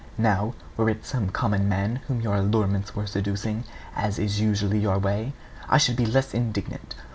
Now, were it some common man whom your allurements were seducing, as is usually your way, I should be less indignant.